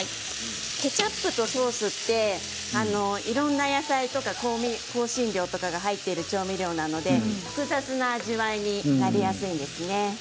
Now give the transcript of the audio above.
ケチャップとソースっていろんな野菜とか香辛料が入っている調味料なので複雑な味わいになりやすいんですね。